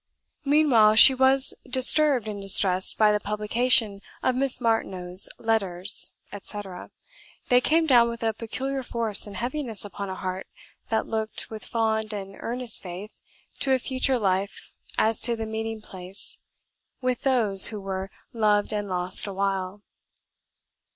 Meanwhile, she was disturbed and distressed by the publication of Miss Martineau's "Letters," etc.; they came down with a peculiar force and heaviness upon a heart that looked, with fond and earnest faith, to a future life as to the meeting place with those who were "loved and lost awhile."